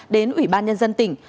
đến ủy ban nhân dân tỉnh